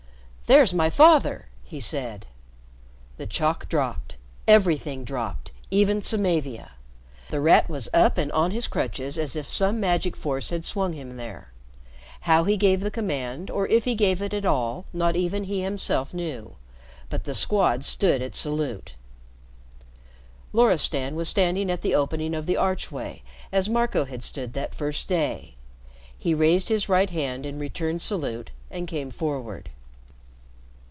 "There's my father!" he said. The chalk dropped, everything dropped, even Samavia. The Rat was up and on his crutches as if some magic force had swung him there. How he gave the command, or if he gave it at all, not even he himself knew. But the Squad stood at salute. Loristan was standing at the opening of the archway as Marco had stood that first day. He raised his right hand in return salute and came forward.